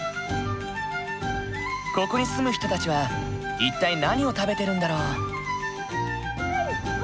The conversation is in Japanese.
ここに住む人たちは一体何を食べてるんだろう？